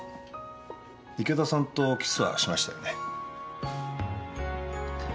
池田さんとキスはしましたよね？